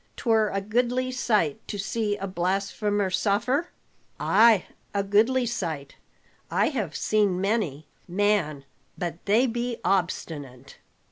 'Twere a goodly sight to see a blasphemer suffer?" "Ay, a goodly sight. I have seen many. Man, but they be obstinate!